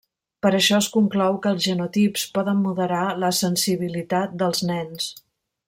Per això es conclou que els genotips poden moderar la sensibilitat dels nens.